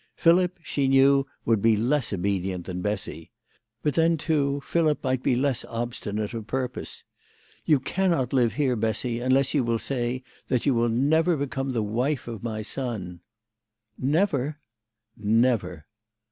Philip, she knew, would be less obedient than Bessy. But then, too, Philip might be less obstinate of pur pose. " You cannot live here, Bessy, unless you will say that you will never become the wife of my son." '"Never?" " Never